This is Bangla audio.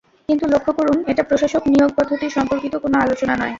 কিন্তু লক্ষ্য করুন, এটা প্রশাসক নিয়োগ-পদ্ধতি সম্পর্কিত কোনও আলোচনা নয়।